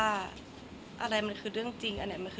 คนเราถ้าจะใช้ชีวิตมาจนถึงอายุขนาดนี้แล้วค่ะ